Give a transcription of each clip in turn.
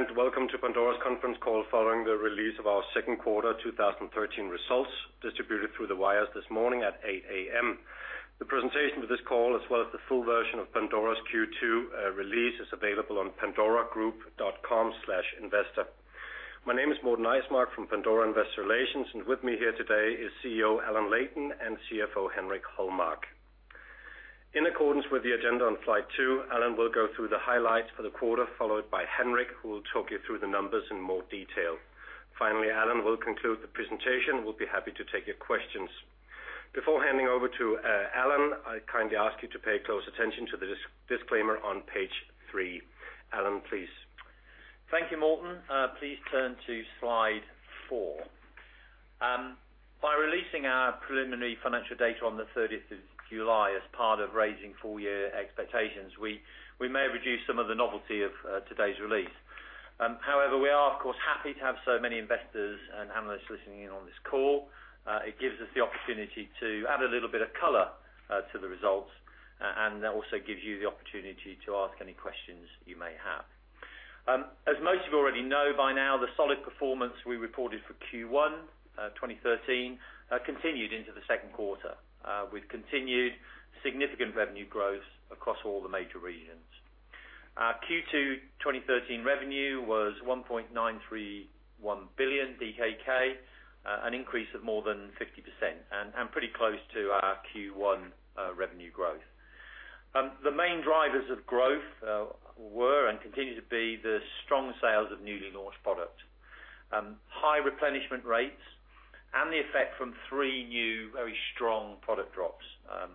Thank you and welcome to Pandora's conference call following the release of our second quarter 2013 results distributed through the wires this morning at 8:00 A.M. The presentation for this call, as well as the full version of Pandora's Q2 release is available on pandoragroup.com/investor. My name is Morten Eismark from Pandora Investor Relations, and with me here today is CEO Allan Leighton and CFO Henrik Holmark. In accordance with the agenda on slide two, Allan will go through the highlights for the quarter followed by Henrik, who will talk you through the numbers in more detail. Finally, Allan will conclude the presentation. We'll be happy to take your questions. Before handing over to Allan, I kindly ask you to pay close attention to the disclaimer on page three. Allan, please. Thank you, Morten. Please turn to slide 4. By releasing our preliminary financial data on the 30th of July as part of raising full-year expectations, we may reduce some of the novelty of today's release. However, we are, of course, happy to have so many investors and analysts listening in on this call. It gives us the opportunity to add a little bit of color to the results, and that also gives you the opportunity to ask any questions you may have. As most of you already know by now, the solid performance we reported for Q1 2013 continued into the second quarter, with continued significant revenue growth across all the major regions. Q2 2013 revenue was 1.931 billion DKK, an increase of more than 50%, and pretty close to our Q1 revenue growth. The main drivers of growth were and continue to be the strong sales of newly launched products, high replenishment rates, and the effect from three new, very strong product drops,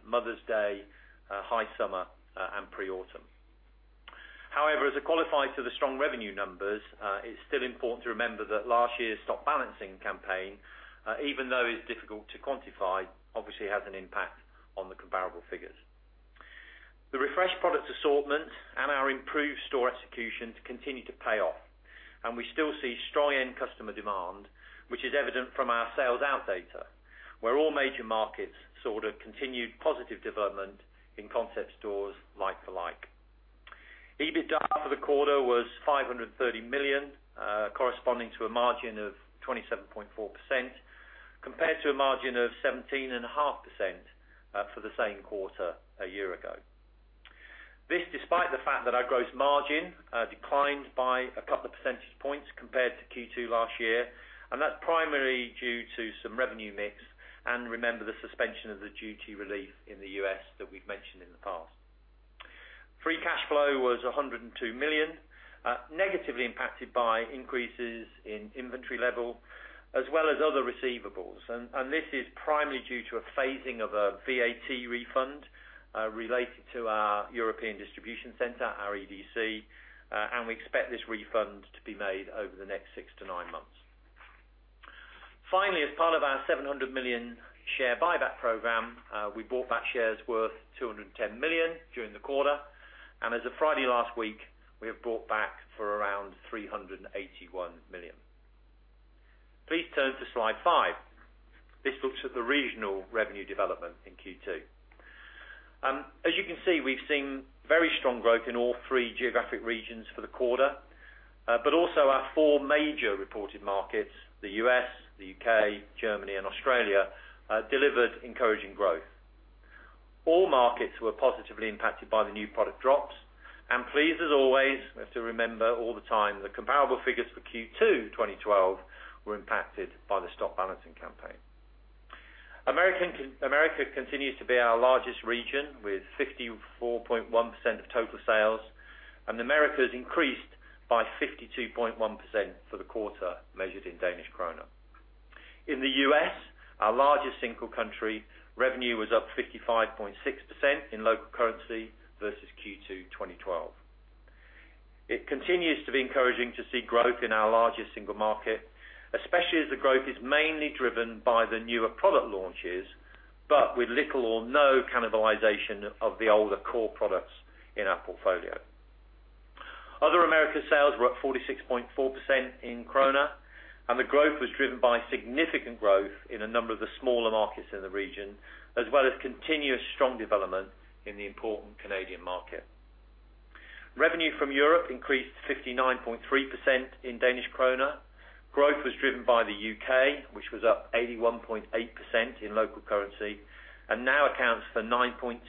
Mother's Day, High Summer, and Pre-Autumn. However, as a qualifier to the strong revenue numbers, it's still important to remember that last year's Stock Balancing Campaign, even though it's difficult to quantify, obviously has an impact on the comparable figures. The refreshed product assortment and our improved store executions continue to pay off, and we still see strong end-customer demand, which is evident from our Sales Out data, where all major markets saw the continued positive development in Concept Stores like-for-like. EBITDA for the quarter was 530 million, corresponding to a margin of 27.4% compared to a margin of 17.5% for the same quarter a year ago. This despite the fact that our gross margin declined by a couple of percentage points compared to Q2 last year, and that's primarily due to some revenue mix and remember the suspension of the duty relief in the U.S. that we've mentioned in the past. Free cash flow was 102 million, negatively impacted by increases in inventory level as well as other receivables. And this is primarily due to a phasing of a VAT refund, related to our European Distribution Center (EDC), and we expect this refund to be made over the next six to nine months. Finally, as part of our 700 million share buyback program, we bought back shares worth 210 million during the quarter, and as of Friday last week, we have bought back for around 381 million. Please turn to slide 5. This looks at the regional revenue development in Q2. As you can see, we've seen very strong growth in all three geographic regions for the quarter, but also our four major reported markets, the U.S., the U.K., Germany, and Australia, delivered encouraging growth. All markets were positively impacted by the new product drops, and please, as always, we have to remember all the time the comparable figures for Q2 2012 were impacted by the stock balancing campaign. Americas continues to be our largest region with 54.1% of total sales, and Americas increased by 52.1% for the quarter measured in Danish kroner. In the U.S., our largest single country, revenue was up 55.6% in local currency versus Q2 2012. It continues to be encouraging to see growth in our largest single market, especially as the growth is mainly driven by the newer product launches but with little or no cannibalization of the older core products in our portfolio. Other Americas sales were up 46.4% in kroner, and the growth was driven by significant growth in a number of the smaller markets in the region as well as continuous strong development in the important Canadian market. Revenue from Europe increased 59.3% in Danish kroner. Growth was driven by the U.K., which was up 81.8% in local currency and now accounts for 9.2%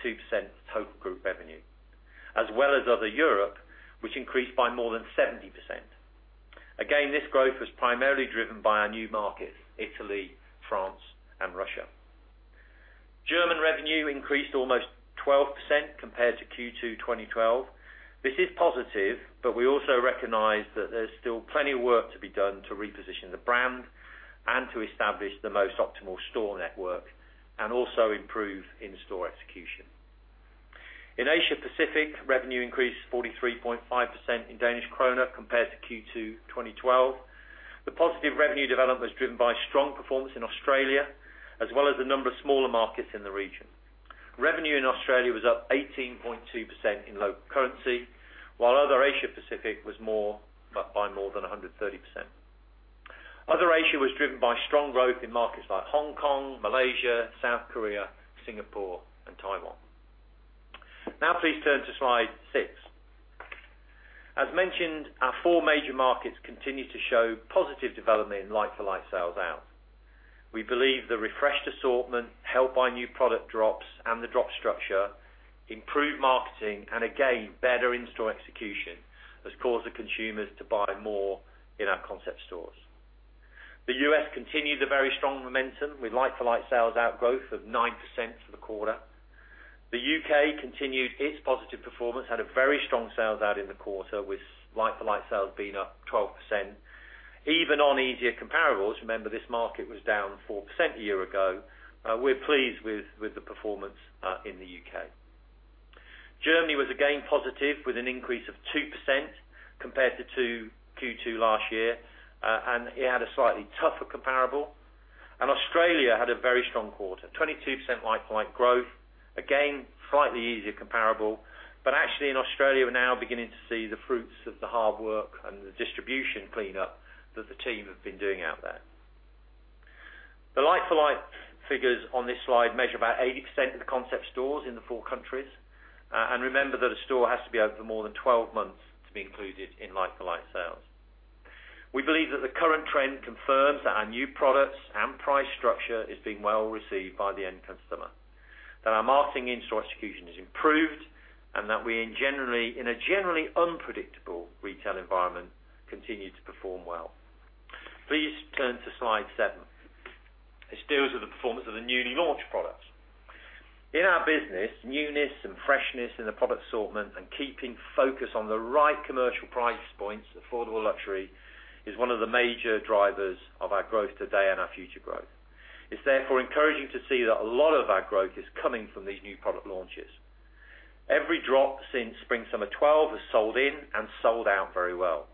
total group revenue, as well as other Europe, which increased by more than 70%. Again, this growth was primarily driven by our new markets, Italy, France, and Russia. German revenue increased almost 12% compared to Q2 2012. This is positive, but we also recognize that there's still plenty of work to be done to reposition the brand and to establish the most optimal store network and also improve in-store execution. In Asia Pacific, revenue increased 43.5% in Danish kroner compared to Q2 2012. The positive revenue development was driven by strong performance in Australia as well as a number of smaller markets in the region. Revenue in Australia was up 18.2% in local currency, while other Asia Pacific was up more, but by more than 130%. Other Asia was driven by strong growth in markets like Hong Kong, Malaysia, South Korea, Singapore, and Taiwan. Now please turn to slide 6. As mentioned, our 4 major markets continue to show positive development in like-for-like sales out. We believe the refreshed assortment, helped by new product drops and the drop structure, improved marketing and, again, better in-store execution has caused the consumers to buy more in our concept stores. The U.S. continued the very strong momentum with like-for-like sales out growth of 9% for the quarter. The UK continued its positive performance, had a very strong sales out in the quarter with like-for-like sales being up 12%. Even on easier comparables, remember this market was down 4% a year ago, we're pleased with the performance in the UK. Germany was, again, positive with an increase of 2% compared to Q2 last year, and it had a slightly tougher comparable. Australia had a very strong quarter, 22% like-for-like growth, again, slightly easier comparable, but actually in Australia we're now beginning to see the fruits of the hard work and the distribution cleanup that the team have been doing out there. The like-for-like figures on this slide measure about 80% of the Concept Stores in the four countries, and remember that a store has to be open for more than 12 months to be included in like-for-like sales. We believe that the current trend confirms that our new products and price structure is being well received by the end customer, that our marketing in-store execution is improved, and that we in a generally unpredictable retail environment continue to perform well. Please turn to slide 7. This deals with the performance of the newly launched products. In our business, newness and freshness in the product assortment and keeping focus on the right commercial price points, Affordable Luxury, is one of the major drivers of our growth today and our future growth. It's therefore encouraging to see that a lot of our growth is coming from these new product launches. Every drop since Spring/Summer 2012 has sold in and sold out very well.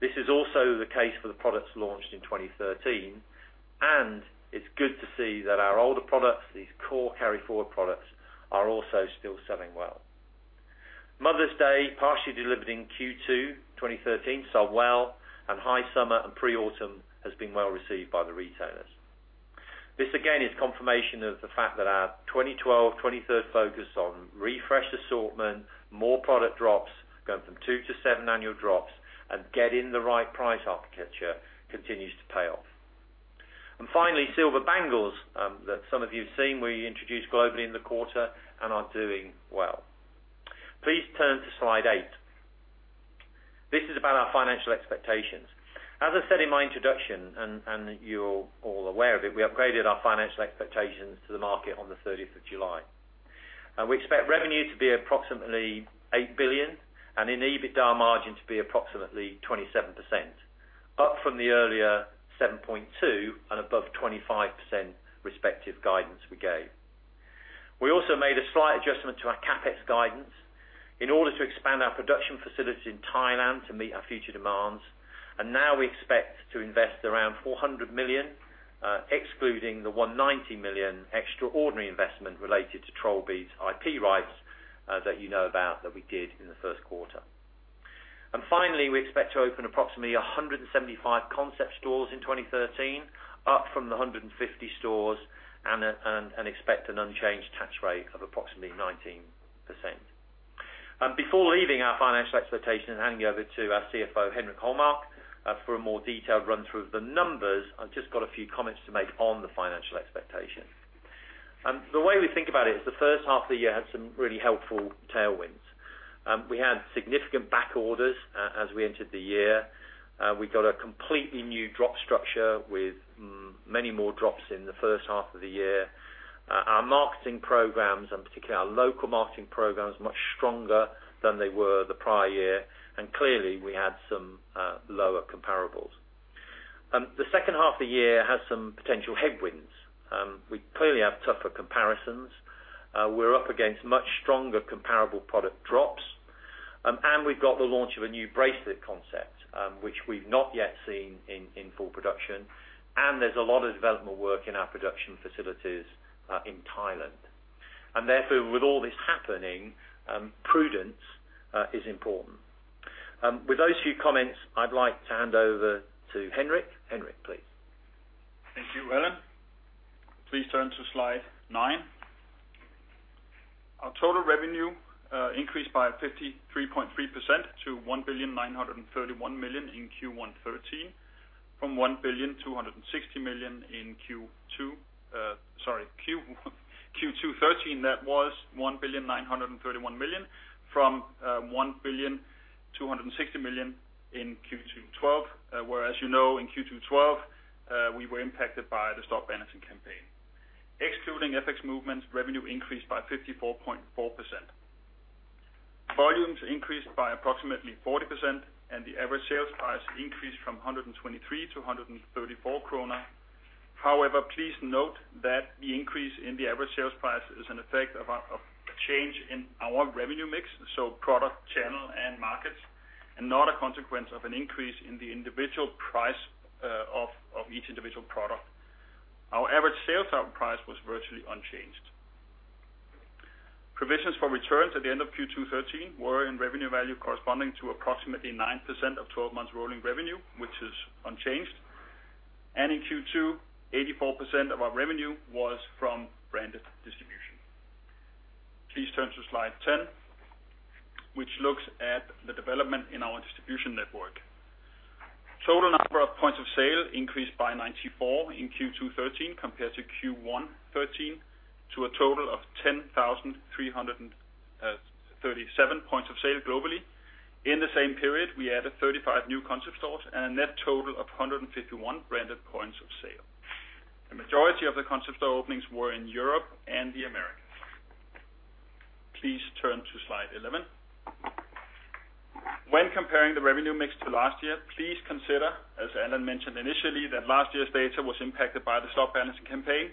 This is also the case for the products launched in 2013, and it's good to see that our older products, these core carry-forward products, are also still selling well. Mother's Day, partially delivered in Q2 2013, sold well, and High Summer and Pre-Autumn has been well received by the retailers. This, again, is confirmation of the fact that our 2012/13 focus on refreshed assortment, more product drops, going from 2 to 7 annual drops, and getting the right price architecture continues to pay off. And finally, silver bangles, that some of you've seen, we introduced globally in the quarter and are doing well. Please turn to slide 8. This is about our financial expectations. As I said in my introduction and, and you're all aware of it, we upgraded our financial expectations to the market on the 30th of July. We expect revenue to be approximately 8 billion and an EBITDA margin to be approximately 27%, up from the earlier 7.2 billion and above 25% respective guidance we gave. We also made a slight adjustment to our CAPEX guidance in order to expand our production facilities in Thailand to meet our future demands, and now we expect to invest around 400 million, excluding the 190 million extraordinary investment related to Trollbeads IP rights, that you know about that we did in the first quarter. And finally, we expect to open approximately 175 Concept Stores in 2013, up from the 150 stores, and expect an unchanged tax rate of approximately 19%. Before leaving our financial expectations and handing over to our CFO Henrik Holmark, for a more detailed run-through of the numbers, I've just got a few comments to make on the financial expectations. The way we think about it is the first half of the year had some really helpful tailwinds. We had significant backorders, as we entered the year. We got a completely new drop structure with many more drops in the first half of the year. Our marketing programs and particularly our local marketing programs are much stronger than they were the prior year, and clearly we had some lower comparables. The second half of the year has some potential headwinds. We clearly have tougher comparisons. We're up against much stronger comparable product drops, and we've got the launch of a new bracelet concept, which we've not yet seen in full production, and there's a lot of development work in our production facilities in Thailand. Therefore, with all this happening, prudence is important. With those few comments, I'd like to hand over to Henrik. Henrik, please. Thank you, Allen. Please turn to slide 9. Our total revenue increased by 53.3% to 1,931 million in Q1 2013 from 1,260 million in Q2 sorry, Q1 Q2 2013, that was 1,931 million from 1,260 million in Q2 2012, whereas you know in Q2 2012, we were impacted by the stock balancing campaign. Excluding FX movements, revenue increased by 54.4%. Volumes increased by approximately 40%, and the average sales price increased from 123 to 134 kroner. However, please note that the increase in the average sales price is an effect of our of a change in our revenue mix, so product, channel, and markets, and not a consequence of an increase in the individual price of each individual product. Our average sales out price was virtually unchanged. Provisions for returns at the end of Q2 2013 were in revenue value corresponding to approximately 9% of 12 months' rolling revenue, which is unchanged, and in Q2, 84% of our revenue was from branded distribution. Please turn to slide 10, which looks at the development in our distribution network. Total number of points of sale increased by 94 in Q2 2013 compared to Q1 2013 to a total of 10,337 points of sale globally. In the same period, we added 35 new concept stores and a net total of 151 branded points of sale. The majority of the concept store openings were in Europe and the Americas. Please turn to slide 11. When comparing the revenue mix to last year, please consider, as Alan mentioned initially, that last year's data was impacted by the stock balancing campaign,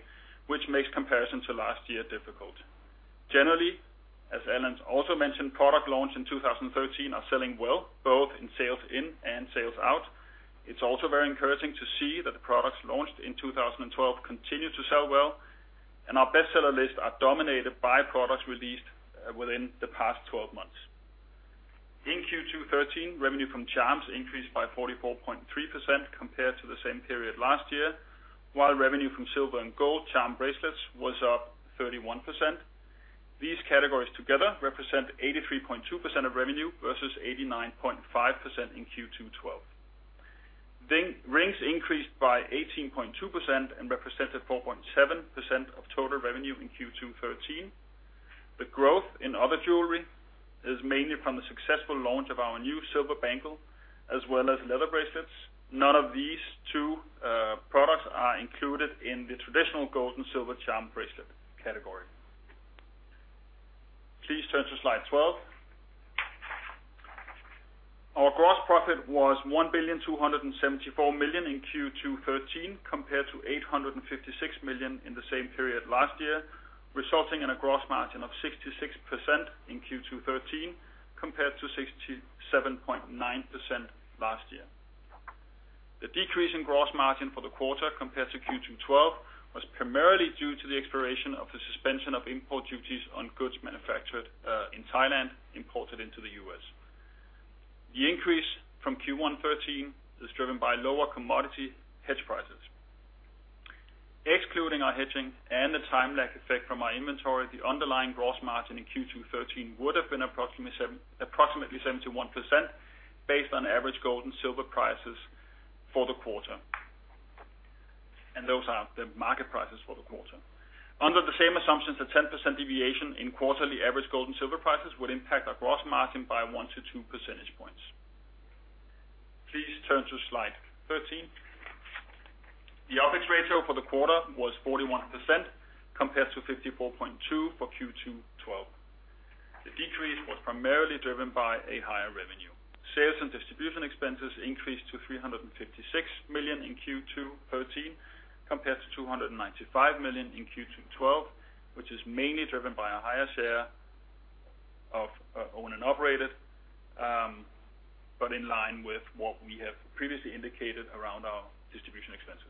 which makes comparison to last year difficult. Generally, as Allan's also mentioned, products launched in 2013 are selling well, both in sales in and sales out. It's also very encouraging to see that the products launched in 2012 continue to sell well, and our bestseller lists are dominated by products released within the past 12 months. In Q2 2013, revenue from charms increased by 44.3% compared to the same period last year, while revenue from silver and gold charm bracelets was up 31%. These categories together represent 83.2% of revenue versus 89.5% in Q2 2012. Rings increased by 18.2% and represented 4.7% of total revenue in Q2 2013. The growth in other jewelry is mainly from the successful launch of our new silver bangle as well as leather bracelets. None of these two products are included in the traditional gold and silver charm bracelet category. Please turn to slide 12. Our gross profit was 1,274 million in Q2 2013 compared to 856 million in the same period last year, resulting in a gross margin of 66% in Q2 2013 compared to 67.9% last year. The decrease in gross margin for the quarter compared to Q2 2012 was primarily due to the expiration of the suspension of import duties on goods manufactured in Thailand imported into the U.S. The increase from Q1 2013 is driven by lower commodity hedge prices. Excluding our hedging and the time lag effect from our inventory, the underlying gross margin in Q2 2013 would have been approximately 71% based on average gold and silver prices for the quarter. Those are the market prices for the quarter. Under the same assumptions, a 10% deviation in quarterly average gold and silver prices would impact our gross margin by 1 to 2 percentage points. Please turn to slide 13. The OpEx ratio for the quarter was 41% compared to 54.2% for Q2 2012. The decrease was primarily driven by a higher revenue. Sales and distribution expenses increased to 356 million in Q2 2013 compared to 295 million in Q2 2012, which is mainly driven by a higher share of, owned and operated, but in line with what we have previously indicated around our distribution expenses.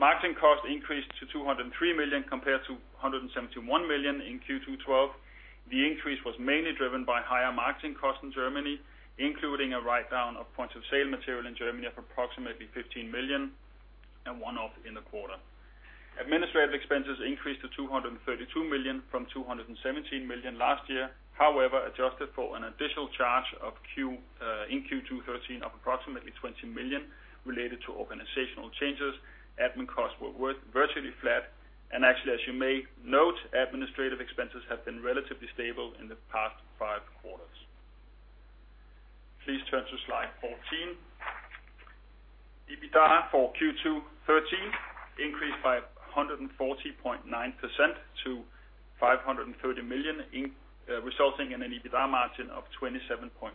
Marketing cost increased to 203 million compared to 171 million in Q2 2012. The increase was mainly driven by higher marketing costs in Germany, including a write-down of points of sale material in Germany of approximately 15 million and one-off in the quarter. Administrative expenses increased to 232 million from 217 million last year, however adjusted for an additional charge n Q2 2013 of approximately 20 million related to organizational changes. Admin costs were virtually flat, and actually, as you may note, administrative expenses have been relatively stable in the past five quarters. Please turn to slide 14. EBITDA for Q2 2013 increased by 140.9% to 530 million resulting in an EBITDA margin of 27.4%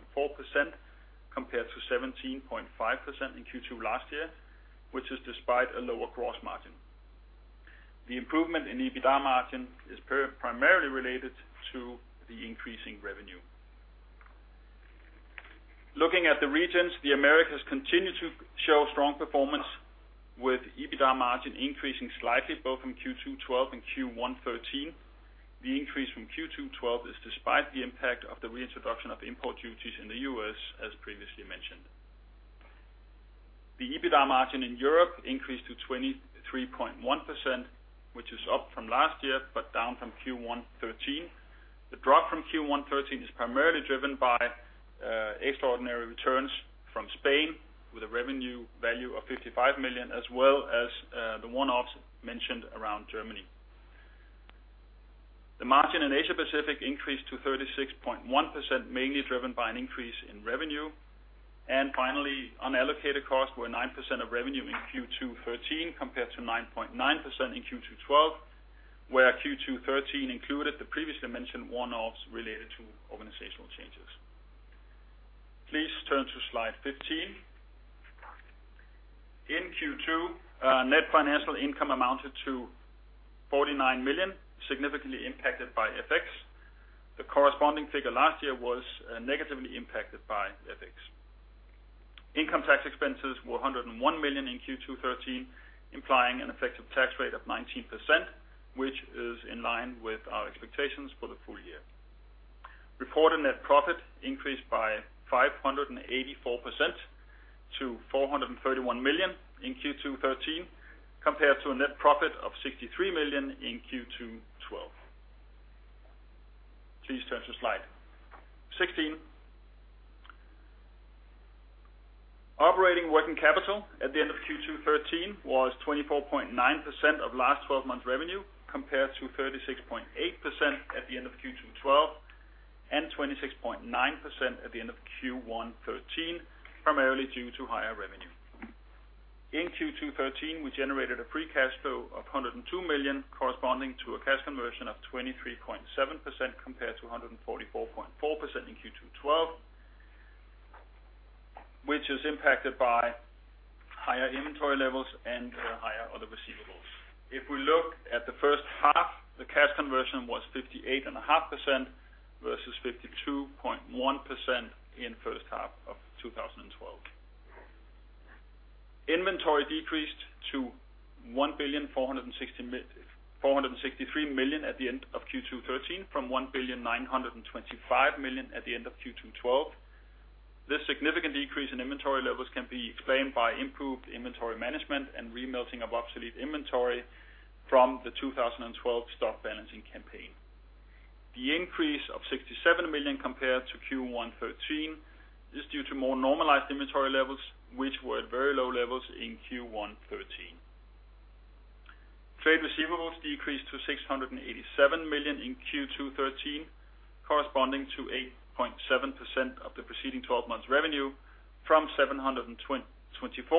compared to 17.5% in Q2 last year, which is despite a lower gross margin. The improvement in EBITDA margin is primarily related to the increasing revenue. Looking at the regions, the Americas continue to show strong performance with EBITDA margin increasing slightly both in Q2 2012 and Q1 2013. The increase from Q2 2012 is despite the impact of the reintroduction of import duties in the U.S., as previously mentioned. The EBITDA margin in Europe increased to 23.1%, which is up from last year but down from Q1 2013. The drop from Q1 2013 is primarily driven by extraordinary returns from Spain with a revenue value of 55 million as well as the one-offs mentioned around Germany. The margin in Asia-Pacific increased to 36.1%, mainly driven by an increase in revenue. Finally, unallocated costs were 9% of revenue in Q2 2013 compared to 9.9% in Q2 2012, where Q2 2013 included the previously mentioned one-offs related to organizational changes. Please turn to slide 15. In Q2 2013, net financial income amounted to 49 million, significantly impacted by FX. The corresponding figure last year was negatively impacted by FX. Income tax expenses were 101 million in Q2 2013, implying an effective tax rate of 19%, which is in line with our expectations for the full year. Reported net profit increased by 584% to 431 million in Q2 2013 compared to a net profit of 63 million in Q2 2012. Please turn to slide 16. Operating working capital at the end of Q2 2013 was 24.9% of last 12 months' revenue compared to 36.8% at the end of Q2 2012 and 26.9% at the end of Q1 2013, primarily due to higher revenue. In Q2 2013, we generated a free cash flow of 102 million, corresponding to a cash conversion of 23.7% compared to 144.4% in Q2 2012, which is impacted by higher inventory levels and higher other receivables. If we look at the first half, the cash conversion was 58.5% versus 52.1% in first half of 2012. Inventory decreased to 1,463 million at the end of Q2 2013 from 1,925 million at the end of Q2 2012. This significant decrease in inventory levels can be explained by improved inventory management and remelting of obsolete inventory from the 2012 stock balancing campaign. The increase of 67 million compared to Q1 2013 is due to more normalized inventory levels, which were at very low levels in Q1 2013. Trade receivables decreased to 687 million in Q2 2013, corresponding to 8.7% of the preceding 12 months' revenue from 720.24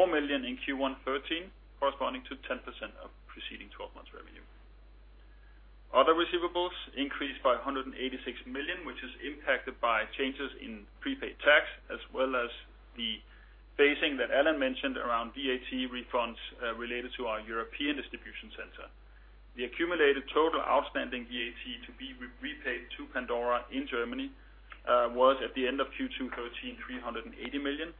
million in Q1 2013, corresponding to 10% of preceding 12 months' revenue. Other receivables increased by 186 million, which is impacted by changes in prepaid tax as well as the phasing that Allan mentioned around VAT refunds, related to our European Distribution Center. The accumulated total outstanding VAT to be repaid to Pandora in Germany was at the end of Q2 2013 380 million.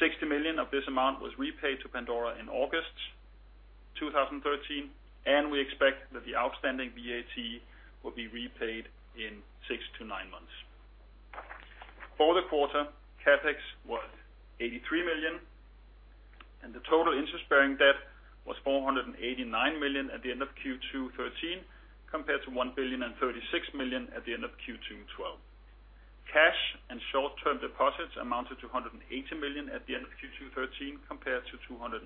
60 million of this amount was repaid to Pandora in August 2013, and we expect that the outstanding VAT will be repaid in six to nine months. For the quarter, CAPEX was 83 million, and the total interest-bearing debt was 489 million at the end of Q2 2013 compared to 1,036 million at the end of Q2 2012. Cash and short-term deposits amounted to 180 million at the end of Q2 2013 compared to 299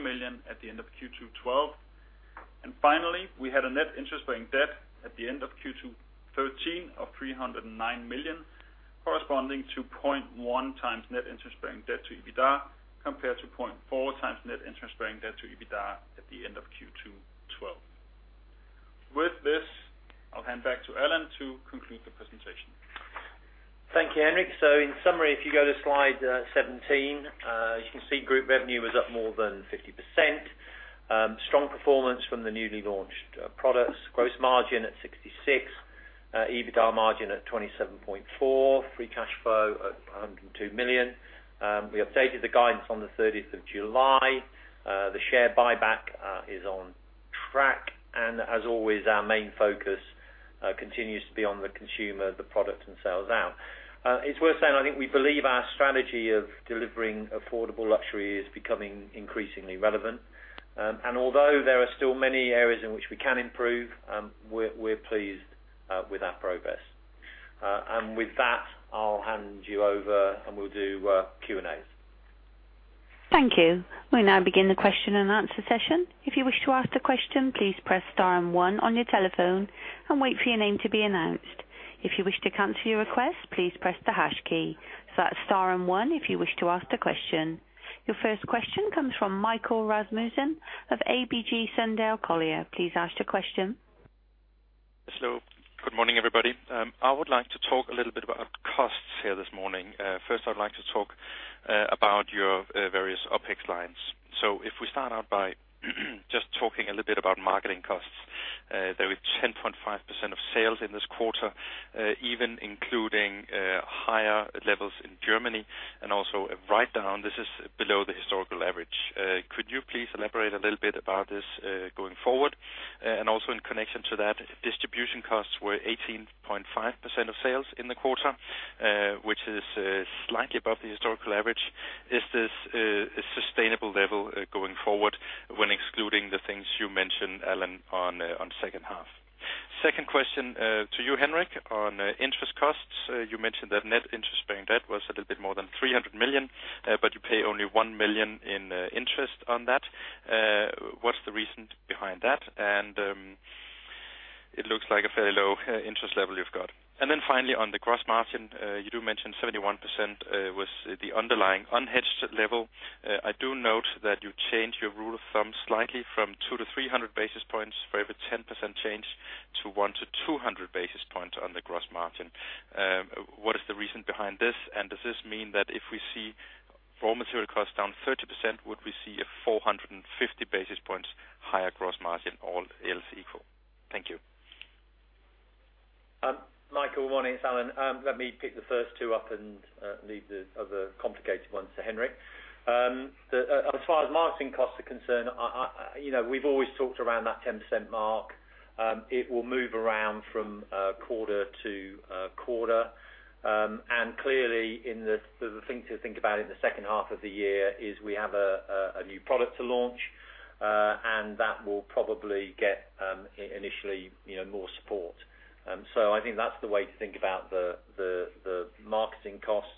million at the end of Q2 2012. And finally, we had a net interest-bearing debt at the end of Q2 2013 of 309 million, corresponding to 0.1 times net interest-bearing debt to EBITDA compared to 0.4 times net interest-bearing debt to EBITDA at the end of Q2 2012. With this, I'll hand back to Allan to conclude the presentation. Thank you, Henrik. So in summary, if you go to slide 17, you can see group revenue was up more than 50%. Strong performance from the newly launched products. Gross margin at 66%, EBITDA margin at 27.4%, free cash flow at 102 million. We updated the guidance on the 30th of July. The share buyback is on track. As always, our main focus continues to be on the consumer, the product, and sales out. It's worth saying, I think we believe our strategy of delivering affordable luxury is becoming increasingly relevant. Although there are still many areas in which we can improve, we're, we're pleased with that progress. With that, I'll hand you over, and we'll do Q&As. Thank you. We'll now begin the question and answer session. If you wish to ask a question, please press star and one on your telephone and wait for your name to be announced. If you wish to cancel your request, please press the hash key. So that's star and one if you wish to ask a question. Your first question comes from Michael Rasmussen of ABG Sundal Collier. Please ask your question. Hello. Good morning, everybody. I would like to talk a little bit about costs here this morning. First, I'd like to talk about your various OpEx lines. So if we start out by just talking a little bit about marketing costs, there were 10.5% of sales in this quarter, even including higher levels in Germany and also a write-down. This is below the historical average. Could you please elaborate a little bit about this going forward? And also in connection to that, distribution costs were 18.5% of sales in the quarter, which is slightly above the historical average. Is this a sustainable level going forward when excluding the things you mentioned, Allan, on second half? Second question, to you, Henrik, on interest costs. You mentioned that net interest-bearing debt was a little bit more than 300 million, but you pay only 1 million in interest on that. What's the reason behind that? And it looks like a fairly low interest level you've got. And then finally, on the gross margin, you do mention 71%, was the underlying unhedged level. I do note that you changed your rule of thumb slightly from 200-300 basis points for every 10% change to 100-200 basis points on the gross margin. What is the reason behind this? And does this mean that if we see raw material costs down 30%, would we see a 450 basis points higher gross margin, all else equal? Thank you. Michael, good morning. It's Allan. Let me pick the first two up and leave the other complicated ones to Henrik. As far as marketing costs are concerned, I, you know, we've always talked around that 10% mark. It will move around from quarter to quarter. And clearly, the thing to think about in the second half of the year is we have a new product to launch, and that will probably get initially, you know, more support. So I think that's the way to think about the marketing costs.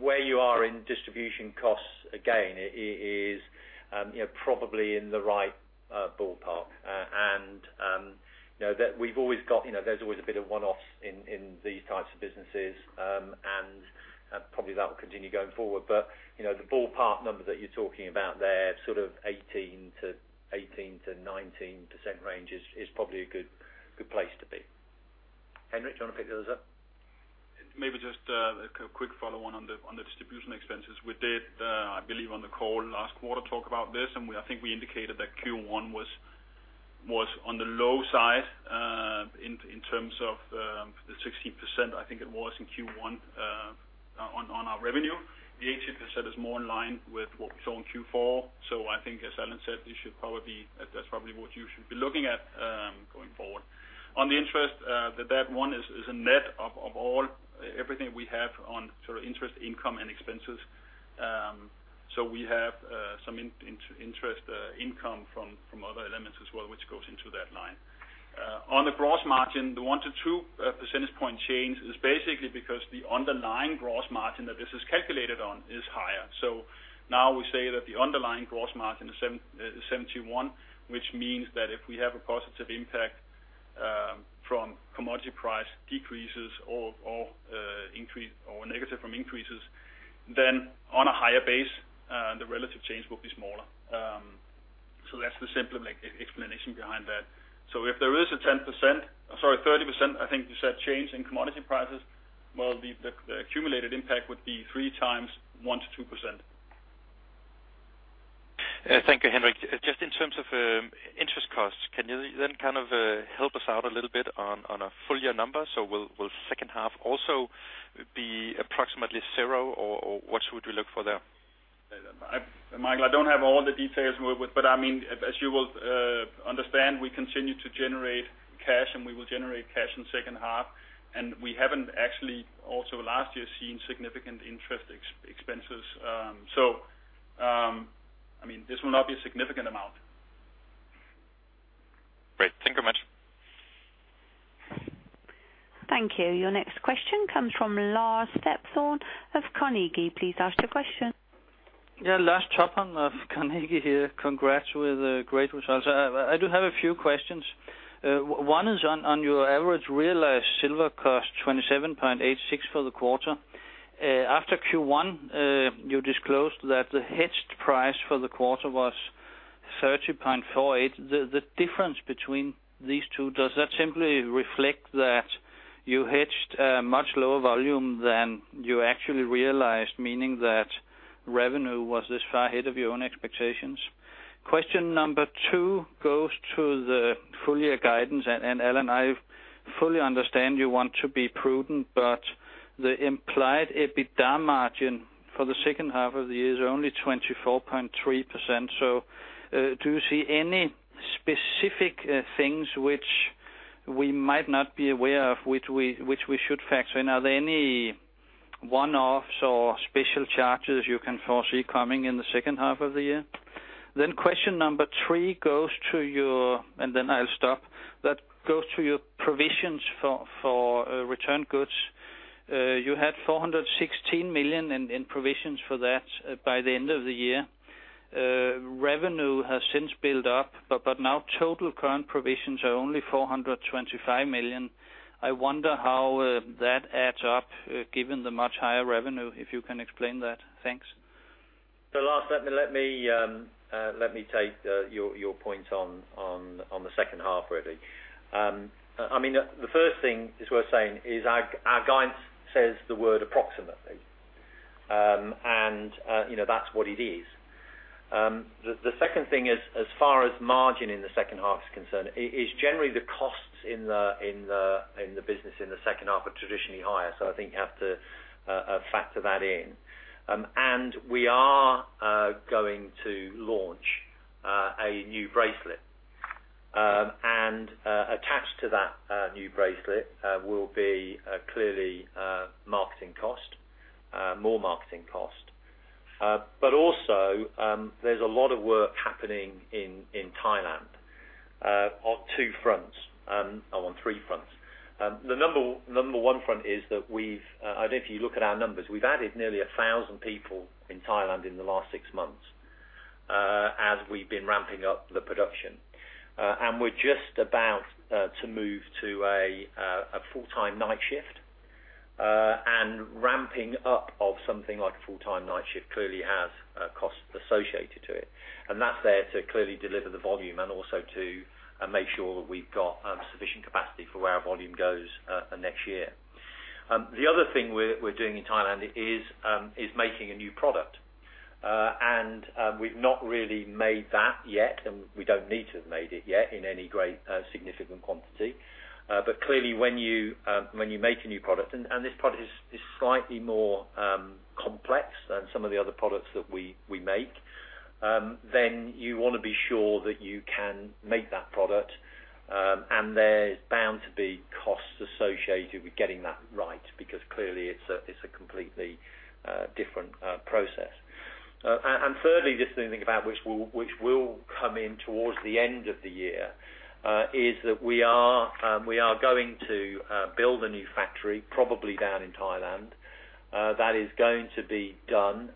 Where you are in distribution costs, again, is, you know, probably in the right ballpark. And, you know, that we've always got you know, there's always a bit of one-offs in these types of businesses, and probably that will continue going forward. But, you know, the ballpark number that you're talking about there, sort of 18%-19% range, is probably a good place to be. Henrik, do you wanna pick the others up? Maybe just a quick follow-on on the distribution expenses. We did, I believe, on the call last quarter, talk about this, and we, I think, we indicated that Q1 was on the low side, in terms of the 16% I think it was in Q1, on our revenue. The 18% is more in line with what we saw in Q4. So I think, as Allan said, that's probably what you should be looking at, going forward. On the interest, the debt one is a net of all everything we have on sort of interest, income, and expenses. So we have some interest income from other elements as well, which goes into that line. On the gross margin, the 1-2 percentage point change is basically because the underlying gross margin that this is calculated on is higher. So now we say that the underlying gross margin is 71, which means that if we have a positive impact from commodity price decreases or increases, or negative from increases, then on a higher base, the relative change will be smaller. So that's the simple, like, explanation behind that. So if there is a 10% or, sorry, 30%, I think you said, change in commodity prices, well, the accumulated impact would be three times 1-2%. Thank you, Henrik. Just in terms of interest costs, can you then kind of help us out a little bit on a full year number? So will second half also be approximately zero, or what should we look for there? Michael, I don't have all the details, but I mean, as you will understand, we continue to generate cash, and we will generate cash in second half. And we haven't actually also last year seen significant interest expenses. So, I mean, this will not be a significant amount. Great. Thank you very much. Thank you. Your next question comes from Lars Topholm of Carnegie. Please ask your question. Yeah. Lars Topholm of Carnegie here. Congrats with the great results. I do have a few questions. One is on your average realized silver cost, $27.86 for the quarter. After Q1, you disclosed that the hedged price for the quarter was $30.48. The difference between these two, does that simply reflect that you hedged much lower volume than you actually realized, meaning that revenue was this far ahead of your own expectations? Question number two goes to the full year guidance. And Allan, I fully understand you want to be prudent, but the implied EBITDA margin for the second half of the year is only 24.3%. So, do you see any specific things which we might not be aware of, which we should factor in? Are there any one-offs or special charges you can foresee coming in the second half of the year? Then question number three goes to your and then I'll stop. That goes to your provisions for returned goods. You had 416 million in provisions for that, by the end of the year. Revenue has since built up, but now total current provisions are only 425 million. I wonder how that adds up, given the much higher revenue, if you can explain that. Thanks. So last, let me take your point on the second half already. I mean, the first thing, as we're saying, is our guidance says the word approximately. And, you know, that's what it is. The second thing is, as far as margin in the second half is concerned, is generally the costs in the business in the second half are traditionally higher. So I think you have to factor that in. And we are going to launch a new bracelet. And, attached to that new bracelet, will be, clearly, marketing cost, more marketing cost. But also, there's a lot of work happening in Thailand on two fronts—oh, on three fronts. The number one front is that we've—I don't know if you look at our numbers. We've added nearly 1,000 people in Thailand in the last six months, as we've been ramping up the production. And we're just about to move to a full-time night shift. And ramping up of something like a full-time night shift clearly has costs associated to it. And that's there to clearly deliver the volume and also to make sure that we've got sufficient capacity for where our volume goes next year. The other thing we're doing in Thailand is making a new product. And we've not really made that yet, and we don't need to have made it yet in any great significant quantity. But clearly, when you make a new product and this product is slightly more complex than some of the other products that we make, then you wanna be sure that you can make that product, and there's bound to be costs associated with getting that right because clearly, it's a completely different process. And thirdly, this thing to think about, which will come in towards the end of the year, is that we are going to build a new factory, probably down in Thailand. That is going to be done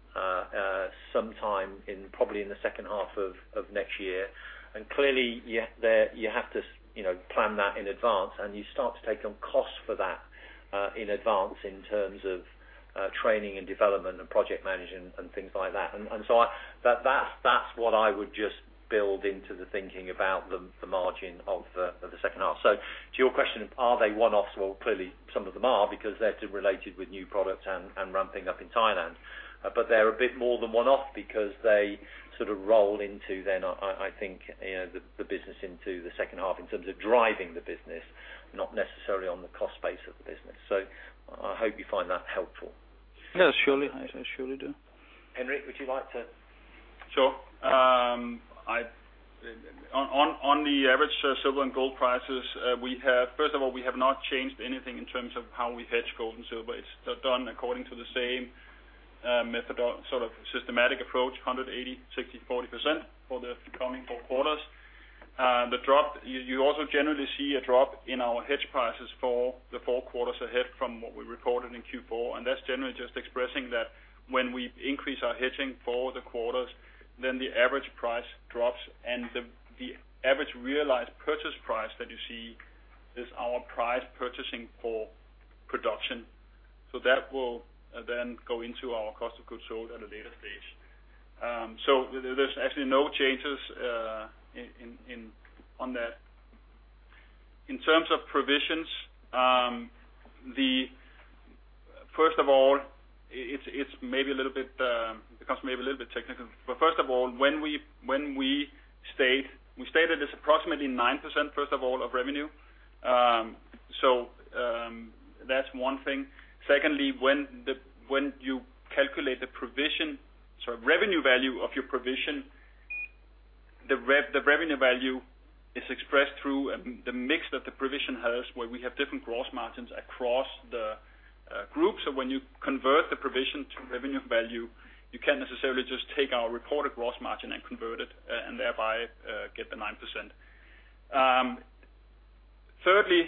sometime in probably in the second half of next year. And clearly, you have to, you know, plan that in advance, and you start to take on costs for that in advance in terms of training and development and project management and things like that. And so that's what I would just build into the thinking about the margin of the second half. So to your question, are they one-offs? Well, clearly, some of them are because they're too related with new products and ramping up in Thailand. But they're a bit more than one-off because they sort of roll into the, I think, you know, the business into the second half in terms of driving the business, not necessarily on the cost base of the business. So I hope you find that helpful. Yeah. Surely. I surely do. Henrik, would you like to? Sure. On the average silver and gold prices, we have first of all, we have not changed anything in terms of how we hedge gold and silver. It's done according to the same methodology sort of systematic approach, 180, 60, 40% for the coming four quarters. The drop you also generally see a drop in our hedged prices for the four quarters ahead from what we reported in Q4. And that's generally just expressing that when we increase our hedging for the quarters, then the average price drops, and the average realized purchase price that you see is our purchasing price for production. So that will then go into our cost of goods sold at a later stage. So there's actually no changes in that. In terms of provisions, first of all, it's maybe a little bit technical. But first of all, when we stated it's approximately 9%, first of all, of revenue. So, that's one thing. Secondly, when you calculate the provision, sorry, revenue value of your provision, the revenue value is expressed through the mix that the provision has, where we have different gross margins across the group. So when you convert the provision to revenue value, you can't necessarily just take our reported gross margin and convert it and thereby get the 9%. Thirdly,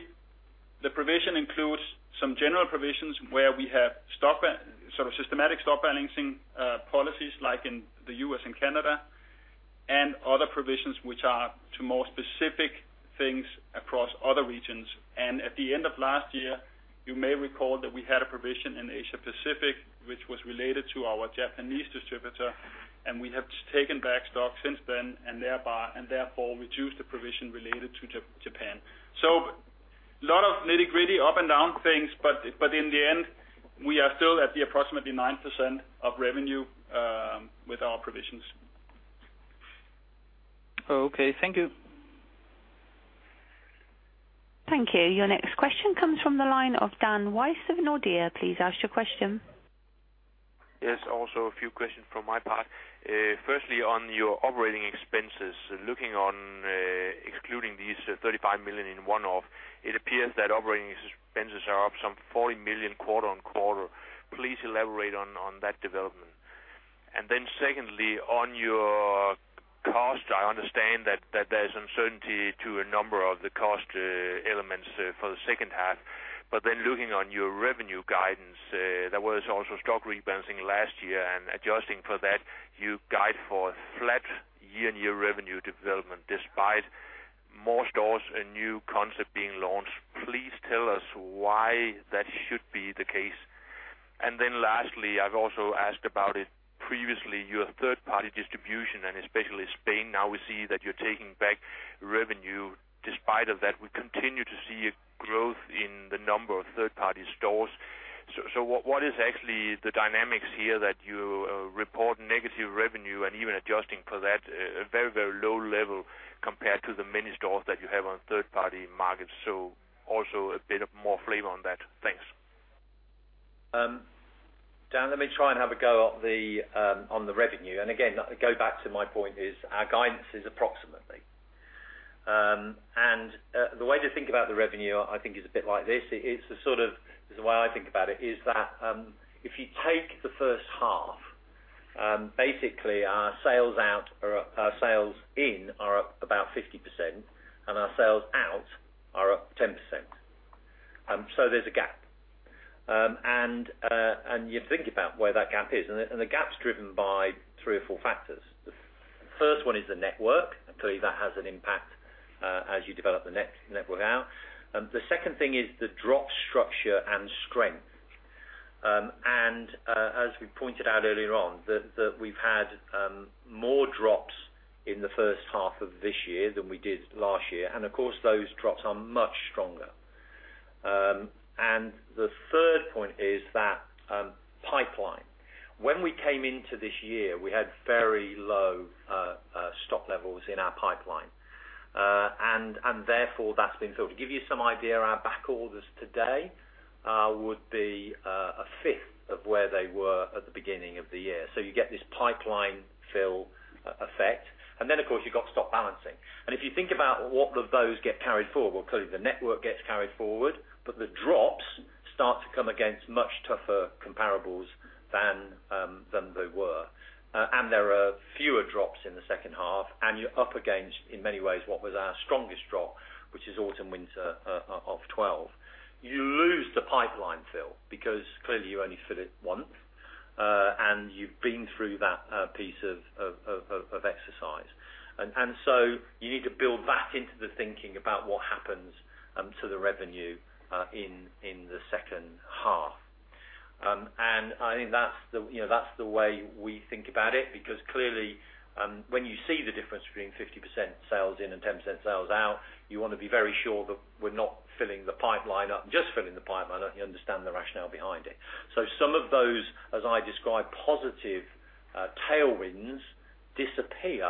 the provision includes some general provisions where we have stock balancing sort of systematic stock balancing policies like in the U.S. and Canada, and other provisions which are to more specific things across other regions. And at the end of last year, you may recall that we had a provision in Asia Pacific which was related to our Japanese distributor, and we have taken back stock since then and thereby and therefore reduced the provision related to Japan. So a lot of nitty-gritty, up and down things, but, but in the end, we are still at the approximately 9% of revenue, with our provisions. Okay. Thank you. Thank you. Your next question comes from the line of Dan Wejse of Nordea. Please ask your question. Yes. Also, a few questions from my part. Firstly, on your operating expenses, looking on, excluding these, 35 million in one-off, it appears that operating expenses are up some 40 million quarter-on-quarter. Please elaborate on, on that development. And then secondly, on your cost, I understand that, that there's uncertainty to a number of the cost, elements, for the second half. But then looking on your revenue guidance, there was also stock rebalancing last year, and adjusting for that, you guide for flat year-on-year revenue development despite more stores and new concept being launched. Please tell us why that should be the case. And then lastly, I've also asked about it previously, your third-party distribution and especially Spain. Now we see that you're taking back revenue. Despite of that, we continue to see a growth in the number of third-party stores. So, what is actually the dynamics here that you report negative revenue and even adjusting for that, a very, very low level compared to the many stores that you have on third-party markets? So also a bit of more flavor on that. Thanks. Dan, let me try and have a go at the revenue. And again, go back to my point is our guidance is approximately. The way to think about the revenue, I think, is a bit like this. It's a sort of this is the way I think about it, is that, if you take the first half, basically, our sales out are our sales in are up about 50%, and our sales out are up 10%. So there's a gap. And you have to think about where that gap is. And the gap's driven by three or four factors. The first one is the network. Clearly, that has an impact, as you develop the network out. The second thing is the drop structure and strength. And, as we pointed out earlier on, that we've had more drops in the first half of this year than we did last year. And of course, those drops are much stronger. And the third point is that pipeline. When we came into this year, we had very low stock levels in our pipeline. And therefore, that's been filled. To give you some idea, our backorders today would be a fifth of where they were at the beginning of the year. So you get this pipeline fill effect. And then, of course, you've got stock balancing. And if you think about what of those get carried forward, well, clearly, the network gets carried forward, but the drops start to come against much tougher comparables than they were. There are fewer drops in the second half, and you're up against, in many ways, what was our strongest drop, which is Autumn-Winter of 2012. You lose the pipeline fill because clearly, you only fill it once, and you've been through that piece of exercise. And so you need to build that into the thinking about what happens to the revenue in the second half. And I think that's the you know, that's the way we think about it because clearly, when you see the difference between 50% sales in and 10% sales out, you wanna be very sure that we're not filling the pipeline up and just filling the pipeline, and you understand the rationale behind it. So some of those, as I described, positive tailwinds disappear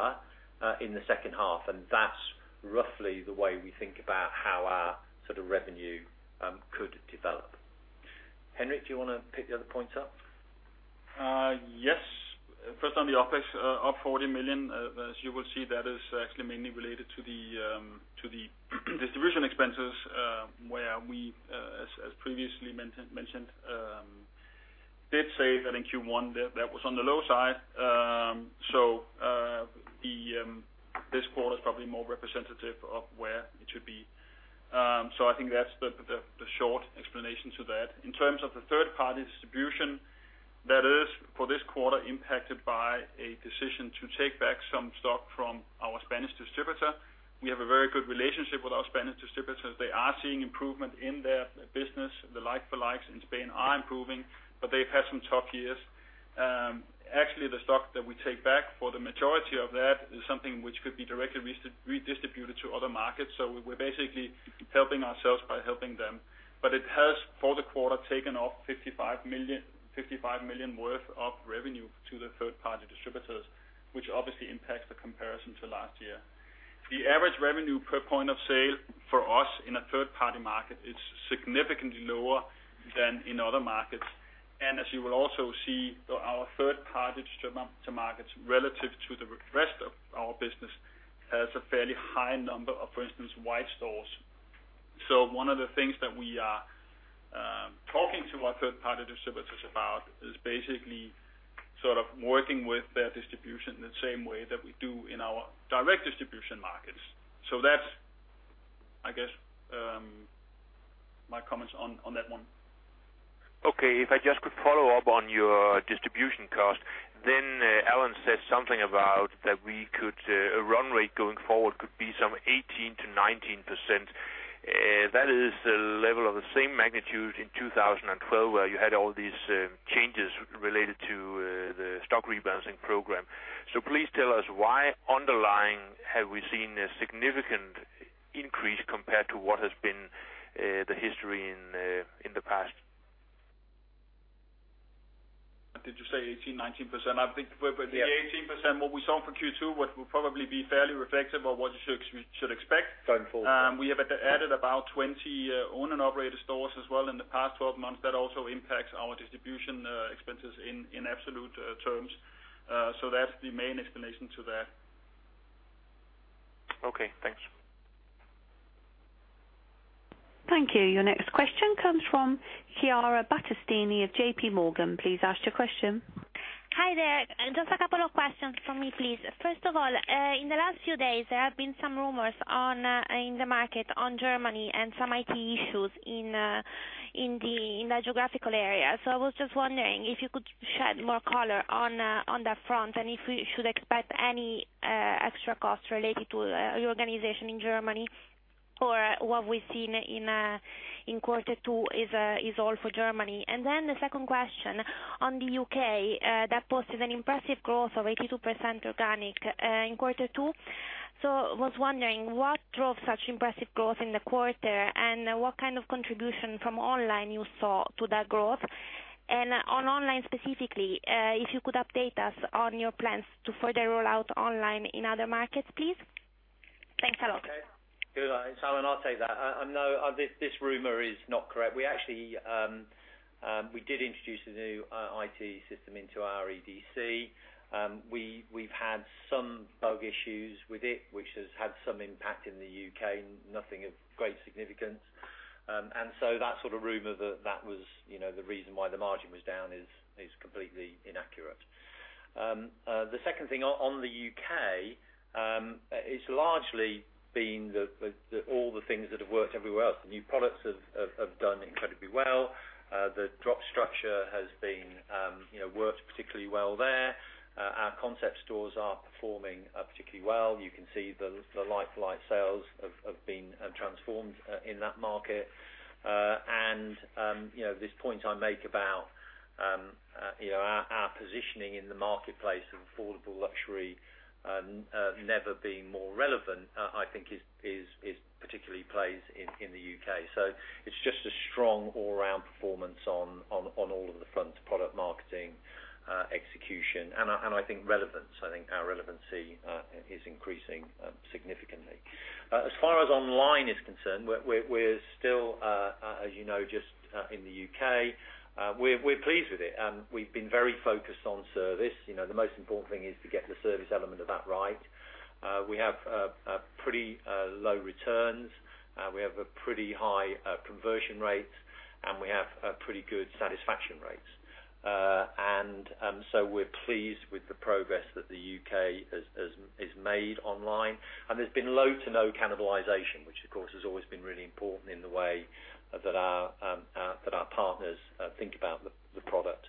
in the second half. And that's roughly the way we think about how our sort of revenue could develop. Henrik, do you wanna pick the other points up? Yes. First on the OpEx, up 40 million. As you will see, that is actually mainly related to the distribution expenses, where we, as previously mentioned, did say that in Q1, that was on the low side. So this quarter's probably more representative of where it should be. So I think that's the short explanation to that. In terms of the third-party distribution, that is, for this quarter, impacted by a decision to take back some stock from our Spanish distributor. We have a very good relationship with our Spanish distributors. They are seeing improvement in their business. The like-for-likes in Spain are improving, but they've had some tough years. Actually, the stock that we take back for the majority of that is something which could be directly redistributed to other markets. So we're basically helping ourselves by helping them. But it has, for the quarter, taken off 55 million worth of revenue to the third-party distributors, which obviously impacts the comparison to last year. The average revenue per point of sale for us in a third-party market is significantly lower than in other markets. As you will also see, our third-party distribution to markets relative to the rest of our business has a fairly high number of, for instance, white stores. So one of the things that we are talking to our third-party distributors about is basically sort of working with their distribution in the same way that we do in our direct distribution markets. So that's, I guess, my comments on that one. Okay. If I just could follow up on your distribution cost, then, Allan said something about that we could, a run rate going forward could be some 18%-19%. That is a level of the same magnitude in 2012 where you had all these changes related to the stock rebalancing program. So please tell us why underlying have we seen a significant increase compared to what has been the history in the past. Did you say 18%-19%? I think we, we the 18% what we saw for Q2, what will probably be fairly reflective of what you should expect. Going forward. We have added about 20 owner and operator stores as well in the past 12 months. That also impacts our distribution expenses in absolute terms. So that's the main explanation to that. Okay. Thanks. Thank you. Your next question comes from Chiara Battistini of J.P. Morgan. Please ask your question. Hi there. Just a couple of questions from me, please. First of all, in the last few days, there have been some rumors in the market on Germany and some IT issues in the geographical area. So I was just wondering if you could shed more color on, on that front and if we should expect any extra cost related to your organization in Germany or what we've seen in quarter two is all for Germany. And then the second question, on the UK, that posted an impressive growth of 82% organic in quarter two. So I was wondering what drove such impressive growth in the quarter and what kind of contribution from online you saw to that growth. And on online specifically, if you could update us on your plans to further roll out online in other markets, please. Thanks a lot. Okay. Good. It's Allan. I'll take that. I know this, this rumor is not correct. We actually, we did introduce a new IT system into our EDC. We've had some bug issues with it, which has had some impact in the U.K., nothing of great significance. And so that sort of rumor that was, you know, the reason why the margin was down is completely inaccurate. The second thing on the U.K., it's largely been the all the things that have worked everywhere else. The new products have done incredibly well. The drop structure has been, you know, worked particularly well there. Our Concept Stores are performing particularly well. You can see the like-for-like sales have been transformed in that market. And, you know, this point I make about, you know, our positioning in the marketplace of Affordable Luxury, never being more relevant, I think is particularly plays in the U.K. So it's just a strong all-around performance on all of the fronts, product marketing, execution, and I think relevance. I think our relevancy is increasing significantly. As far as online is concerned, we're still, as you know, just in the UK. We're pleased with it. We've been very focused on service. You know, the most important thing is to get the service element of that right. We have pretty low returns. We have a pretty high conversion rates, and we have pretty good satisfaction rates. And so we're pleased with the progress that the UK has made online. And there's been low to no cannibalization, which, of course, has always been really important in the way that our partners think about the product.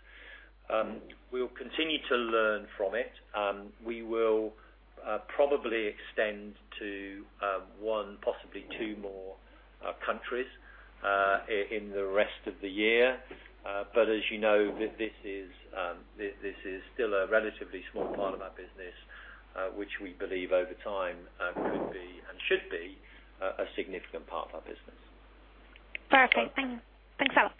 We'll continue to learn from it. We will probably extend to one, possibly two more countries in the rest of the year. But as you know, this is still a relatively small part of our business, which we believe over time could be and should be a significant part of our business. Perfect. Thank you. Thanks a lot.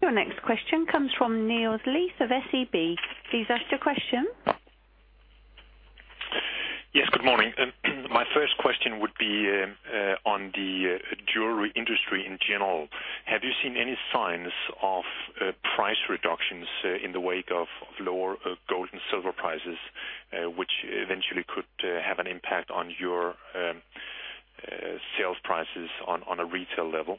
Your next question comes from Niels Leth of SEB. Please ask your question. Yes. Good morning. My first question would be on the jewelry industry in general. Have you seen any signs of price reductions in the wake of lower gold and silver prices, which eventually could have an impact on your sales prices on a retail level?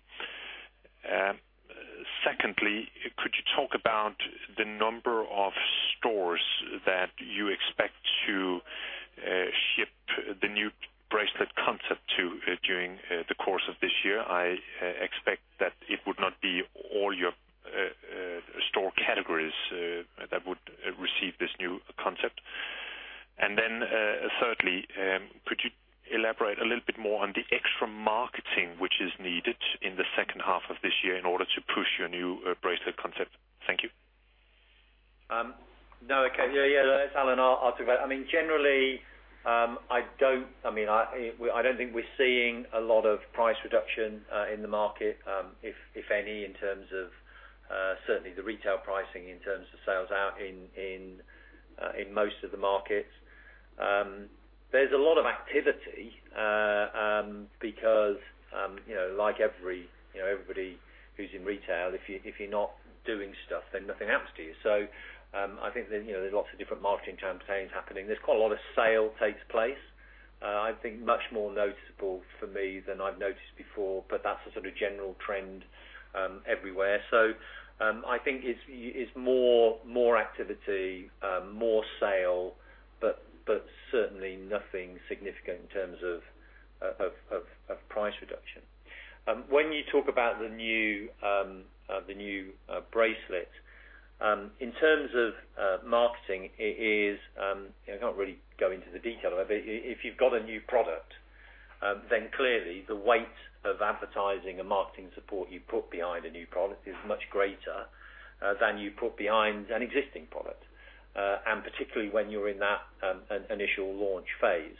Secondly, could you talk about the number of stores that you expect to ship the new bracelet concept to during the course of this year? I expect that it would not be all your store categories that would receive this new concept. And then, thirdly, could you elaborate a little bit more on the extra marketing which is needed in the second half of this year in order to push your new bracelet concept? Thank you. No. Okay. Yeah. Yeah. That's Allan. I'll take that. I mean, generally, I don't—I mean, we don't think we're seeing a lot of price reduction in the market, if any, in terms of certainly the retail pricing in terms of sales out in most of the markets. There's a lot of activity, because, you know, like every—you know, everybody who's in retail, if you're not doing stuff, then nothing happens to you. So, I think that, you know, there's lots of different marketing campaigns happening. There's quite a lot of sales take place, I think much more noticeable for me than I've noticed before, but that's a sort of general trend, everywhere. So, I think it's, it's more, more activity, more sales, but certainly nothing significant in terms of price reduction. When you talk about the new, the new, bracelet, in terms of marketing, it is, you know, I can't really go into the detail of it, but if you've got a new product, then clearly, the weight of advertising and marketing support you put behind a new product is much greater, than you put behind an existing product, and particularly when you're in that, initial launch phase.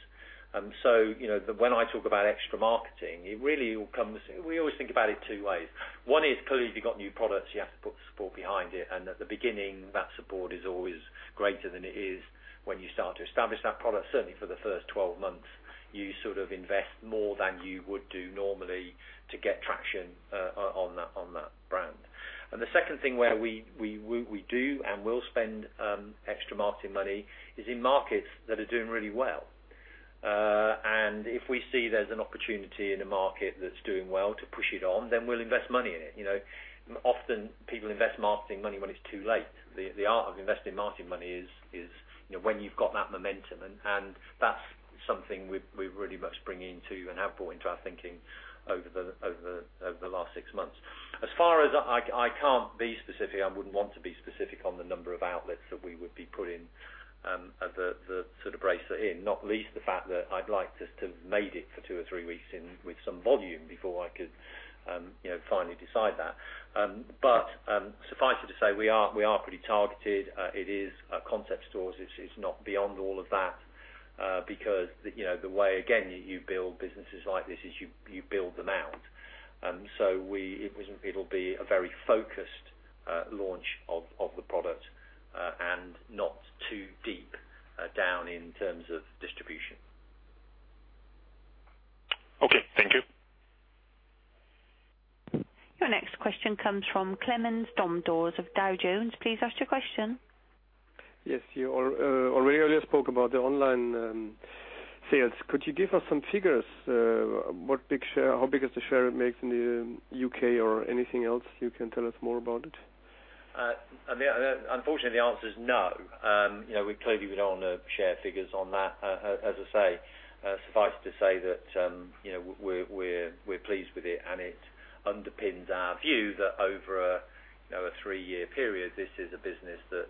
So, you know, when I talk about extra marketing, it really all comes we always think about it two ways. One is clearly, if you've got new products, you have to put support behind it. And at the beginning, that support is always greater than it is when you start to establish that product. Certainly, for the first 12 months, you sort of invest more than you would do normally to get traction on that brand. And the second thing where we do and will spend extra marketing money is in markets that are doing really well. And if we see there's an opportunity in a market that's doing well to push it on, then we'll invest money in it. You know, often, people invest marketing money when it's too late. The art of investing marketing money is, you know, when you've got that momentum. And that's something we've really much bring into and have brought into our thinking over the last six months. As far as I can't be specific. I wouldn't want to be specific on the number of outlets that we would be putting the sort of bracelet in, not least the fact that I'd like to have made it for two or three weeks in with some volume before I could, you know, finally decide that. But suffice it to say, we are pretty targeted. It is Concept Stores. It's not beyond all of that, because, you know, the way, again, you build businesses like this is you build them out. So it will be a very focused launch of the product, and not too deep down in terms of distribution. Okay. Thank you. Your next question comes from Clemens Bomsdorf of Dow Jones. Please ask your question. Yes. You already earlier spoke about the online sales. Could you give us some figures, what big share how big is the share it makes in the UK or anything else? You can tell us more about it. I mean, unfortunately, the answer is no. You know, we clearly don't want to share figures on that. As I say, suffice it to say that, you know, we're pleased with it, and it underpins our view that over a, you know, a three-year period, this is a business that,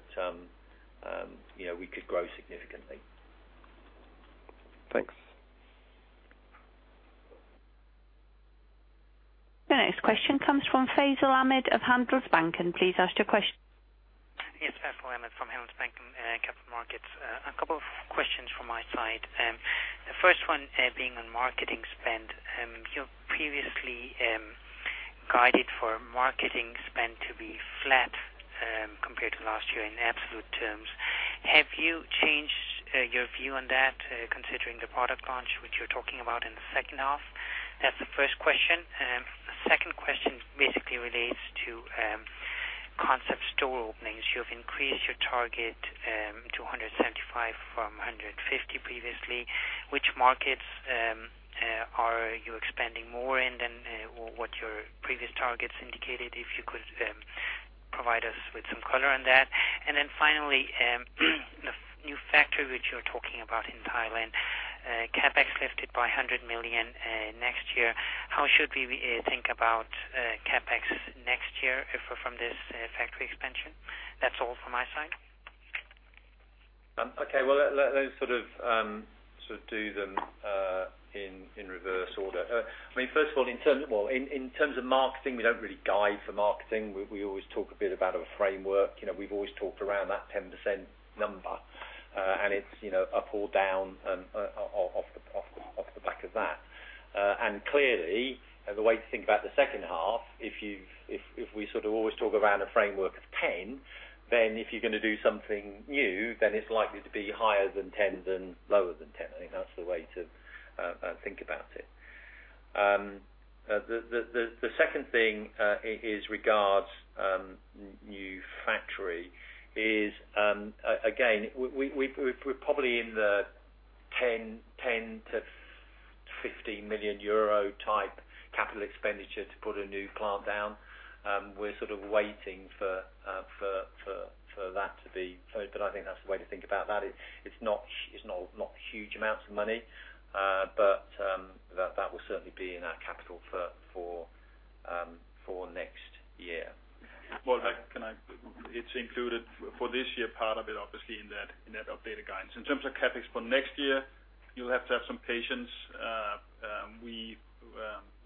you know, we could grow significantly. Thanks. Your next question comes from Faisal Ahmad of Handelsbanken Capital Markets. Please ask your question. Yes. Faisal Ahmad from Handelsbanken Capital Markets. A couple of questions from my side. The first one, being on marketing spend. You previously guided for marketing spend to be flat, compared to last year in absolute terms. Have you changed your view on that, considering the product launch which you're talking about in the second half? That's the first question. The second question basically relates to concept store openings. You have increased your target to 175 from 150 previously. Which markets are you expanding more in than what your previous targets indicated? If you could provide us with some color on that. And then finally, the new factory which you're talking about in Thailand, CapEx lifted by 100 million next year. How should we think about CapEx next year if we're from this factory expansion? That's all from my side. Okay. Well, let those sort of do them in reverse order. I mean, first of all, in terms of well, in terms of marketing, we don't really guide for marketing. We always talk a bit about a framework. You know, we've always talked around that 10% number, and it's, you know, up or down, off the back of that. And clearly, the way to think about the second half, if we sort of always talk around a framework of 10, then if you're going to do something new, then it's likely to be higher than 10 than lower than 10. I think that's the way to think about it. The second thing is regards new factory is, again, we're probably in the 10-15 million euro type capital expenditure to put a new plant down. We're sort of waiting for that to be so, but I think that's the way to think about that. It's not all huge amounts of money, but that will certainly be in our capital for next year. Well, it's included for this year, part of it, obviously, in that updated guidance. In terms of CapEx for next year, you'll have to have some patience. We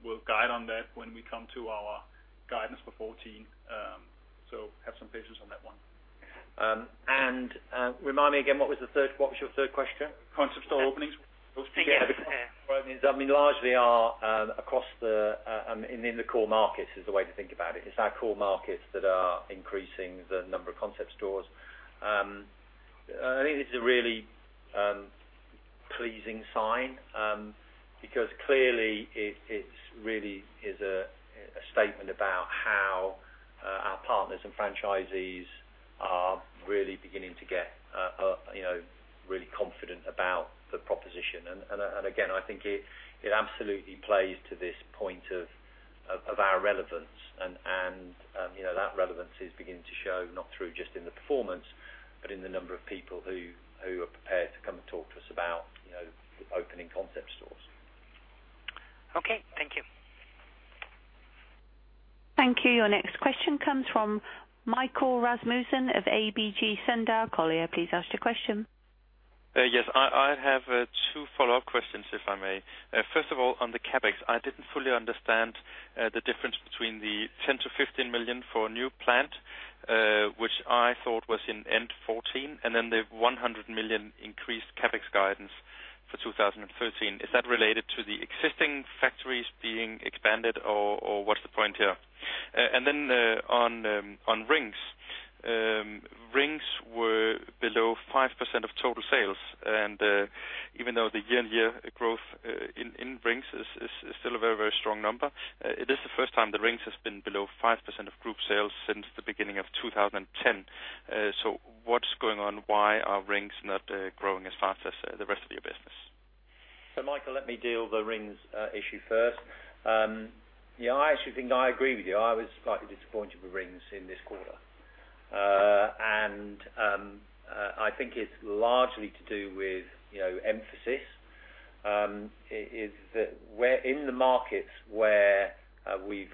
will guide on that when we come to our guidance for 2014, so have some patience on that one. Remind me again. What was your third question? Concept store openings. We're supposed to be having. Yeah. Yeah. Yeah. Right. I mean, largely our across the in the core markets is the way to think about it. It's our core markets that are increasing the number of Concept Stores. I think this is a really pleasing sign, because clearly, it's really a statement about how our partners and franchisees are really beginning to get, you know, really confident about the proposition. And again, I think it absolutely plays to this point of our relevance. And you know, that relevance is beginning to show not just in the performance, but in the number of people who are prepared to come and talk to us about, you know, opening Concept Stores. Okay. Thank you. Thank you. Your next question comes from Michael Rasmussen of ABG Sundal Collier. Please ask your question. Yes. I have two follow-up questions, if I may. First of all, on the CapEx, I didn't fully understand the difference between the 10 million-15 million for a new plant, which I thought was in end 2014, and then the 100 million increased CapEx guidance for 2013. Is that related to the existing factories being expanded, or what's the point here? And then, on Rings, Rings were below 5% of total sales. Even though the year-on-year growth in Rings is still a very, very strong number, it is the first time that Rings has been below 5% of group sales since the beginning of 2010. So what's going on? Why are Rings not growing as fast as the rest of your business? So, Michael, let me deal the Rings issue first. Yeah. I actually think I agree with you. I was slightly disappointed with Rings in this quarter. I think it's largely to do with, you know, emphasis. It's that we're in the markets where we've,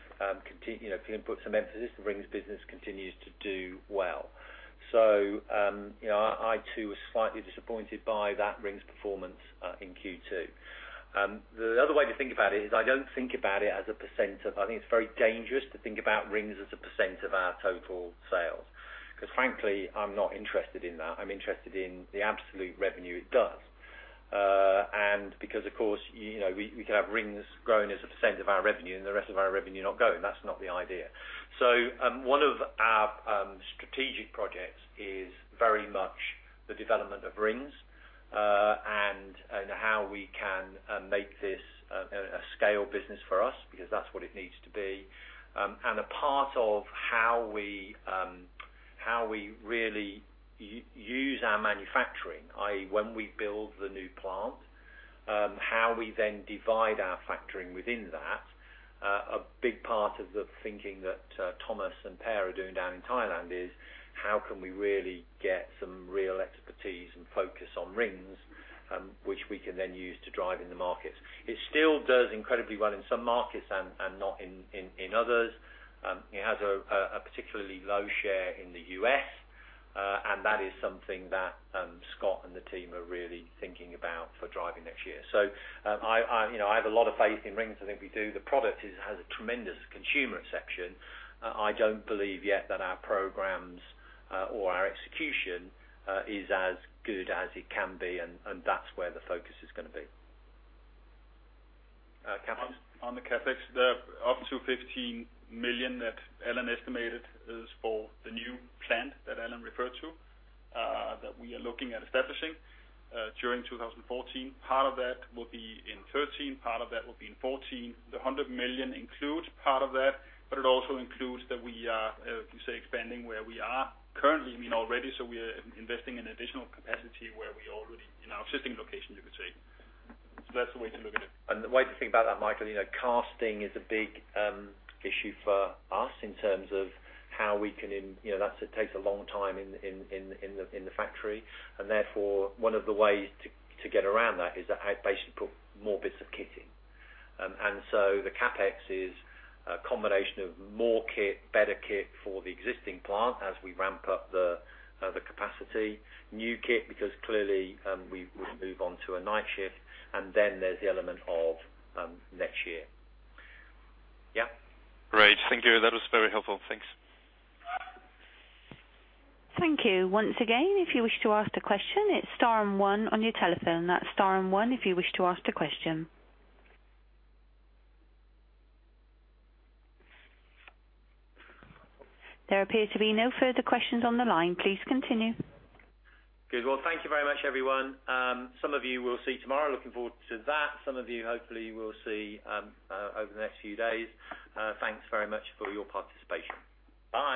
you know, put some emphasis. The Rings business continues to do well. So, you know, I too was slightly disappointed by that Rings performance, in Q2. The other way to think about it is I don't think about it as a % of. I think it's very dangerous to think about Rings as a % of our total sales because, frankly, I'm not interested in that. I'm interested in the absolute revenue it does. Because, of course, you know, we could have Rings growing as a % of our revenue and the rest of our revenue not growing. That's not the idea. So, one of our strategic projects is very much the development of Rings, and, you know, how we can make this a scale business for us because that's what it needs to be. And a part of how we really use our manufacturing, i.e., when we build the new plant, how we then divide our manufacturing within that, a big part of the thinking that Thomas and Per are doing down in Thailand is how can we really get some real expertise and focus on Rings, which we can then use to drive in the markets. It still does incredibly well in some markets and not in others. It has a particularly low share in the U.S., and that is something that Scott and the team are really thinking about for driving next year. So, you know, I have a lot of faith in Rings. I think we do. The product has a tremendous consumer acceptance. I don't believe yet that our programs, or our execution, is as good as it can be, and that's where the focus is going to be. CapEx? On the CapEx, the up to 15 million that Allan estimated is for the new plant that Allan referred to, that we are looking at establishing during 2014. Part of that will be in 2013. Part of that will be in 2014. The 100 million includes part of that, but it also includes that we are, you say, expanding where we are currently. I mean, already. So we are investing in additional capacity where we already in our existing location, you could say. So that's the way to look at it. And the way to think about that, Michael, you know, casting is a big issue for us in terms of how we can, you know, that's, it takes a long time in the factory. And therefore, one of the ways to get around that is that I basically put more bits of kit in. And so the CapEx is a combination of more kit, better kit for the existing plant as we ramp up the capacity, new kit because clearly, we move on to a night shift, and then there's the element of next year. Yeah. Great. Thank you. That was very helpful. Thanks. Thank you once again. If you wish to ask a question, it's Star and One on your telephone. That's Star and One if you wish to ask a question. There appear to be no further questions on the line. Please continue. Good. Well, thank you very much, everyone. Some of you will see tomorrow. Looking forward to that. Some of you, hopefully, will see over the next few days. Thanks very much for your participation. Bye.